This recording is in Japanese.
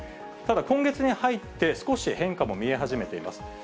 ただ今月に入って、少し変化も見え始めています。